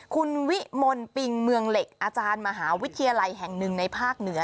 คุณวิมลปิงเมืองเหล็กอาจารย์มหาวิทยาลัยแห่งหนึ่งในภาคเหนือ